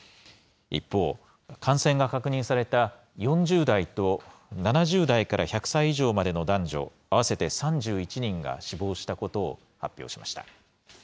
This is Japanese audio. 一方、感染が確認された４０代と７０代から１００歳以上までの男女合わせて３１人が死亡したことを発表しました。